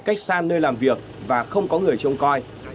cách xa nơi làm việc và không có người trông coi